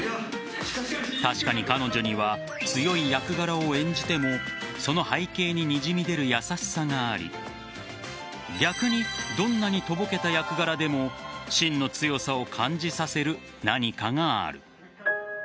確かに彼女には強い役柄を演じてもその背景ににじみ出る優しさがあり逆にどんなにとぼけた役柄でも芯の強さを感じさせる何かがある。